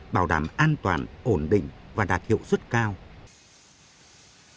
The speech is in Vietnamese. bảo đảm an toàn và đảm nhiệm cho các chuyên gia nước ngoài